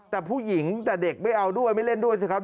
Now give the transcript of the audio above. แต่ผู้หญิงแต่เด็กไม่เอาด้วยไม่เล่นด้วยสิครับ